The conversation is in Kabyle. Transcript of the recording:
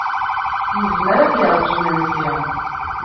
Yezmer ad yaṛǧu imensi.